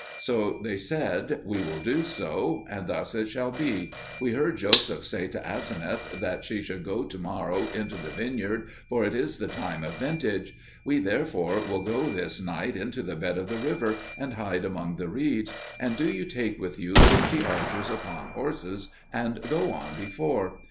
So they said, "We will do so, and thus it shall be: we heard Joseph say to Aseneth that she should go to morrow into the vineyard, for it is the time of vintage. We therefore will go this night into the bed of the river and hide among the reeds; and do you take with you fifty archers upon horses, and go on before.